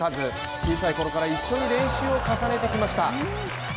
小さいころから一緒に練習を重ねてきました。